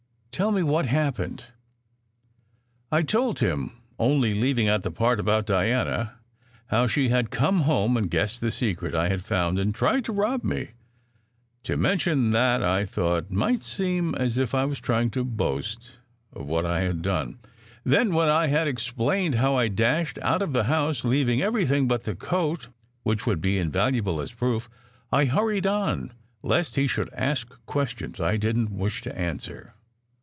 "Tell me what happened." I told him, only leaving out the part about Diana, how she had come home and guessed the secret I had found and tried to rob me. To mention that, I thought, might seem as if I were trying to boast of what I had done. Then, when I had explained how I dashed out of the house, leaving everything but the coat, which would be invalu able as proof, I hurried on, lest he should ask questions I didn t wish to answer.